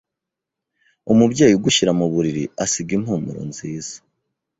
Umubyeyi ugushyira mu buriri asiga impumuro nziza